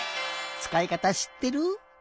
つかいかたしってる？